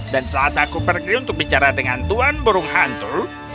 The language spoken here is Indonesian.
dan saat aku pergi untuk bicara dengan tuan burung hantu